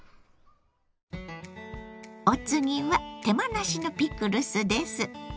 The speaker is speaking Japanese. お次は手間なしのピクルスです。